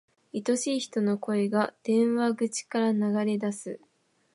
愛しい人の声が、電話口から流れ出す。